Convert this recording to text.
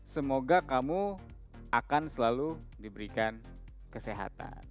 semoga kamu akan selalu diberikan kesehatan